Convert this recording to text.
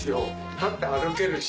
立って歩けるし。